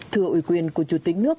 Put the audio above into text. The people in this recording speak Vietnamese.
thưa ủy quyền của chủ tịch nước